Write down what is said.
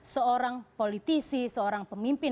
seorang politisi seorang pemimpin